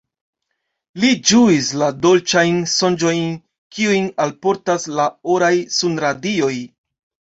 Li ĝuis la dolĉajn sonĝojn, kiujn alportas la oraj sunradioj.